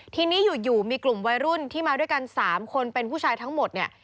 ทีนี้อยู่มีกลุ่มวัยรุ่นที่มาด้วยกัน๓คนเป็นผู้ชายทั้งหมดเนี่ย